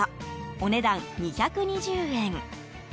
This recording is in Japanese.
お値段２２０円。